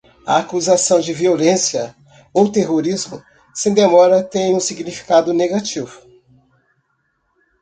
A acusação de "violência" ou "terrorismo" sem demora tem um significado negativo